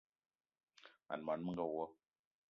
Mań món menga wo!